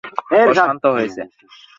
ও শান্ত হয়েছে?